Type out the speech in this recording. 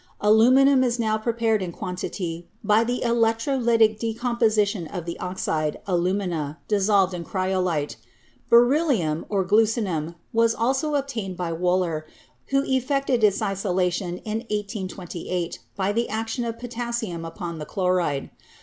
Aluminium is now prepared in quan tity by the electrolytic decomposition of the oxide, alu mina, dissolved in cryolite. Beryllium, or glucinum, was also obtained by Wohler, who effected its isolation in 1828 by the action of potassium upon the chloride.